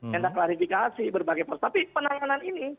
mendaklarifikasi berbagai bagai tapi penanganan ini